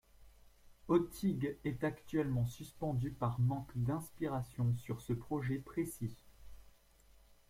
Otyg est actuellement suspendu par manque d'inspiration sur ce projet précis.